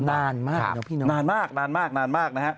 นานมากนะพี่น้องนานมากนะครับ